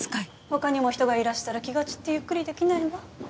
他にも人がいらしたら気が散ってゆっくりできないわ。